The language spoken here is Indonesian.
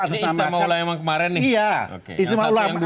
ini istimewa ulama yang kemarin nih